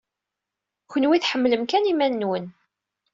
Kenwi tḥemmlem kan iman-nwen.